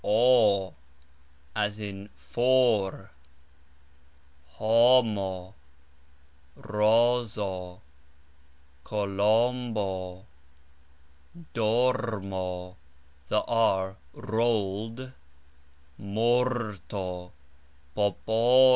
o (as in fOr), HO mo, RO zo, ko LOM bo, DOR mo (the R rolled), MOR to, po PO lo.